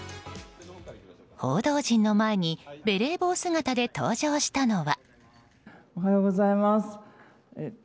報道陣の前にベレー帽姿で登場したのは。